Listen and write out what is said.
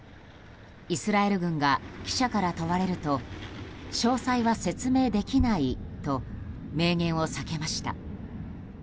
イスラエル軍が記者から問われると詳細は説明できないと明言を避けました。